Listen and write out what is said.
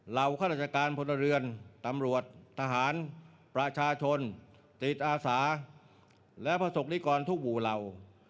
ข้าราชการพลเรือนตำรวจทหารประชาชนจิตอาสาและประสบนิกรทุกหมู่เหล่า